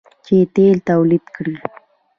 چې تیل تولید کړي.